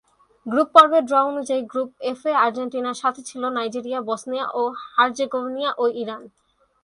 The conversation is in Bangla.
গ্রুপ পর্বের ড্র অনুযায়ী গ্রুপ এফ-এ আর্জেন্টিনার সাথে ছিল নাইজেরিয়া, বসনিয়া ও হার্জেগোভিনা ও ইরান।